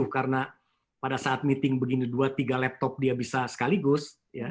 karena pada saat meeting begini dua tiga laptop dia bisa sekaligus